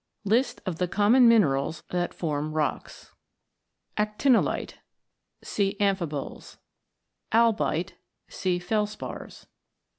LIST OF THE COMMON MINERALS THAT FORM ROCKS Actinolite. See Amphiboles. Albite. See Felspars.